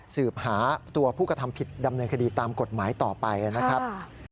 สืบหาตัวผู้กระทำผิดดำเนินคดีตามกฎหมายต่อไปนะครับ